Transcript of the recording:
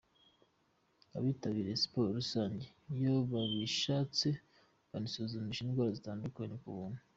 Abitabiriye Siporo rusange iyo babishatse banisuzumisha indwara zitandura ku buntu.